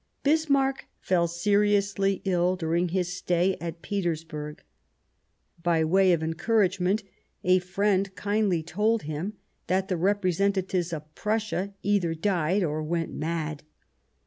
Bismarck fell seriously ill during his stay at Petersburg, By way of encouragement, a friend kindly told him that the representatives of Prussia either died or went mad.